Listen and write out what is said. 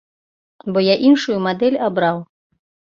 Бо я іншую мадэль абраў.